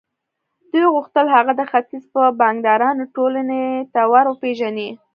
دوی غوښتل هغه د ختيځ د بانکدارانو ټولنې ته ور وپېژني.